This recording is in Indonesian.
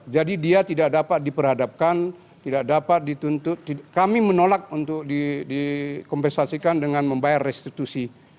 jadi dia tidak dapat diperhadapkan tidak dapat dituntut kami menolak untuk dikompensasikan dengan membayar restitusi